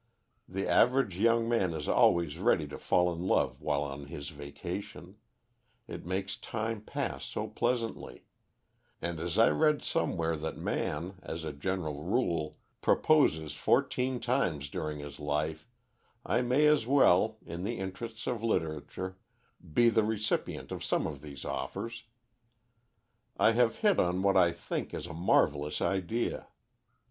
The average young man is always ready to fall in love while on his vacation it makes time pass so pleasantly; and as I read somewhere that man, as a general rule, proposes fourteen times during his life, I may as well, in the interests of literature, be the recipient of some of these offers. I have hit on what I think is a marvellous idea.